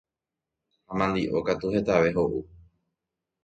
ha mandi'o katu hetave ho'u